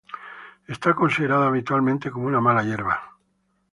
Es considerada habitualmente como una mala hierba.